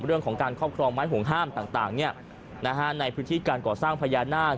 เรื่องของการครอบครองไม้ห่วงห้ามต่างในพื้นที่การก่อสร้างพญานาค